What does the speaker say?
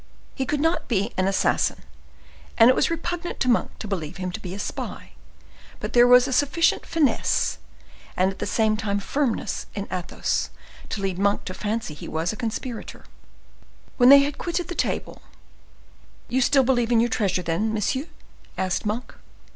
He could not be an assassin, and it was repugnant to Monk to believe him to be a spy; but there was sufficient finesse and at the same time firmness in Athos to lead Monk to fancy he was a conspirator. When they had quitted the table, "You still believe in your treasure, then, monsieur?" asked Monk.